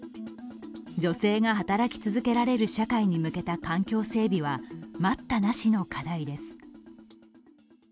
女性が働き続けられる社会に向けた環境整備は待ったなしの課題です。